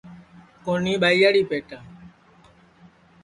کونیھ ٻائیاڑی پیٹام